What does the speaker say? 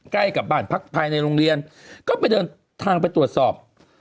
ใกล้กับบ้านพักภายในโรงเรียนก็ไปเดินทางไปตรวจสอบ